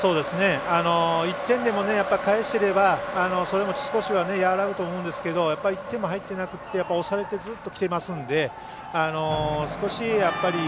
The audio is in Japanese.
１点でも返せればそれも少しは和らぐと思うんですけど１点も入ってなくて押されて、ずっときていますので。